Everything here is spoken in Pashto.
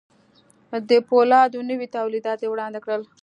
د پولادو نوي توليدات يې وړاندې کړل.